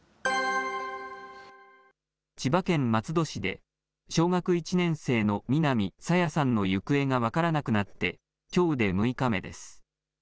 千葉県松戸市で、小学１年生の南朝芽さんの行方が分からなくなって、きょうで６日目です。